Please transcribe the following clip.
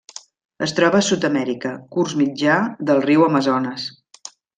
Es troba a Sud-amèrica: curs mitjà del riu Amazones.